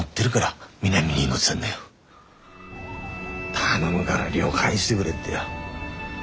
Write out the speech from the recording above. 頼むがら亮返してくれってよ。